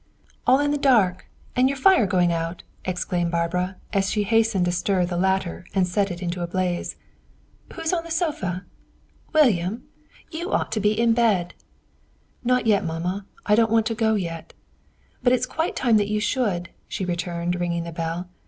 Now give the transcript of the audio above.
"All in the dark, and your fire going out!" exclaimed Barbara, as she hastened to stir the latter and send it into a blaze. "Who's on the sofa? William, you ought to be to bed!" "Not yet, mamma. I don't want to go yet." "But it is quite time that you should," she returned, ringing the bell.